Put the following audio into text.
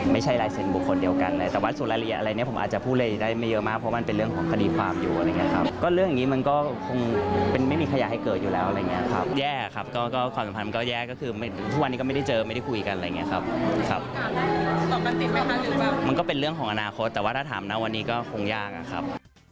มันก็เป็นเรื่องของอนาคตแต่ว่าถ้าถามนะวันนี้ก็คงยากนะครับ